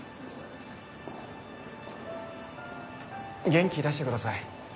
元気出してください。